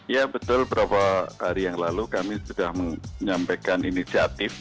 ya betul beberapa hari yang lalu kami sudah menyampaikan inisiatif